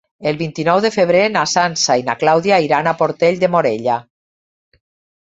El vint-i-nou de febrer na Sança i na Clàudia iran a Portell de Morella.